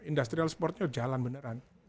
industrial sportnya jalan beneran